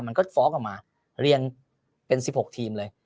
มันก็ฟ้องออกมาเรียนเป็น๑๖ทีมเลย